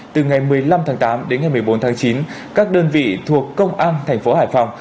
từ ngày một mươi năm tháng tám đến ngày một mươi bốn tháng chín các đơn vị thuộc công an thành phố hải phòng